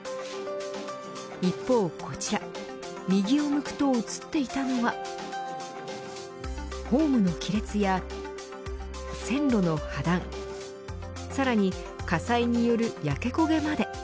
一方こちらに右を向くと映っていたのはホームの亀裂や線路の破断さらに火災による焼け焦げまで。